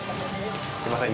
すいません